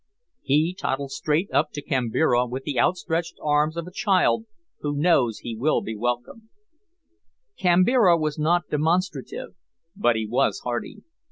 He toddled straight up to Kambira with the outstretched arms of a child who knows he will be welcomed. Kambira was not demonstrative, but he was hearty.